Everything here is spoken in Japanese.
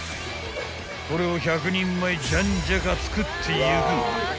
［これを１００人前じゃんじゃか作っていく］